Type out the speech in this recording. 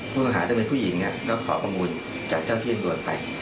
ผู้ต้องหาถ้าเป็นผู้หญิงก็ขอข้อมูลจากเจ้าที่ตำรวจไป